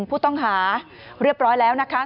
ผู้ต้องหาเรียบร้อยแล้วนะคะ